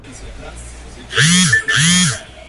Tienen seis hijos.